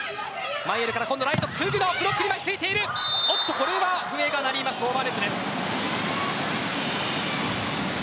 これは笛が鳴りますオーバーネットです。